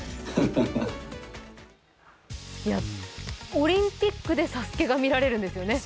オリンピックで「ＳＡＳＵＫＥ」が見られるんですよね？